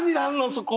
そこ。